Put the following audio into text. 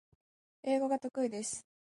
英語が得意です